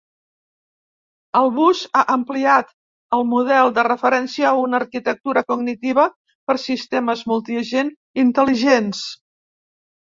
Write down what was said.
Albus ha ampliat el model de referència a una arquitectura cognitiva per Sistemes multiagent intel·ligents.